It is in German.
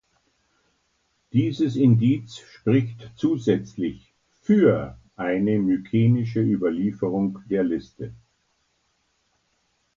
Dieses Indiz spricht zusätzlich für eine mykenische Überlieferung der Liste.